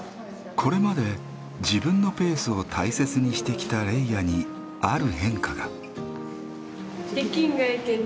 これまで自分のペースを大切にしてきたレイヤにある変化が。